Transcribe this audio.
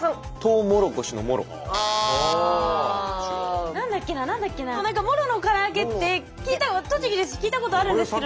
「モロのから揚げ」って栃木ですし聞いたことあるんですけど。